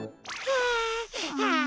はあ。